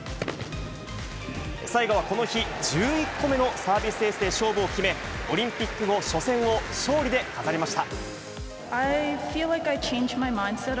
最後はこの日１１個目のサービスエースで勝負を決め、オリンピック後初戦を勝利で飾りました。